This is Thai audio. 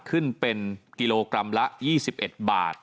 ขึ้นเป็นกิโลกรัมละ๒๑บาท